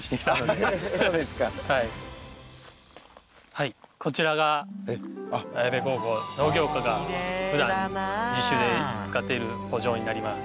はいこちらが綾部高校農業科がふだん実習で使っている圃場になります。